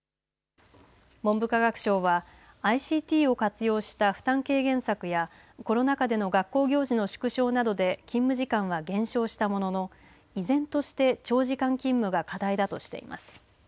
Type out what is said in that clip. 文部科学省はＩＣＴを活用した負担軽減策やコロナ禍での学校行事の縮小などで勤務時間は減少したものの依然として長時間勤務が課題だとしています。